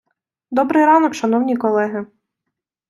Добрий ранок, шановні колеги!